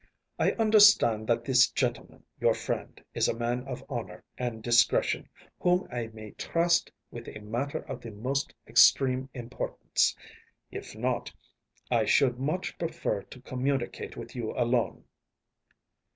I understand that this gentleman, your friend, is a man of honour and discretion, whom I may trust with a matter of the most extreme importance. If not, I should much prefer to communicate with you alone.